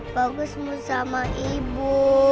bagusmu sama ibu